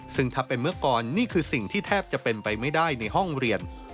ซึ่งถ้าเป็นเมื่อก่อนนี่คือสิ่งที่แทบจะเป็นไปไม่ได้ในห้องเรียน